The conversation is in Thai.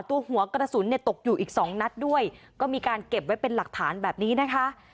หัวกระสุนเนี่ยตกอยู่อีกสองนัดด้วยก็มีการเก็บไว้เป็นหลักฐานแบบนี้นะคะ